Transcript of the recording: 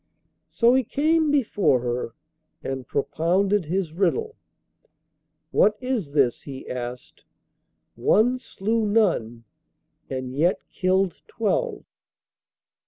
So he came before her and propounded his riddle. 'What is this?' he asked. 'One slew none and yet killed twelve.